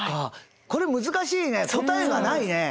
これ難しいね答えがないね。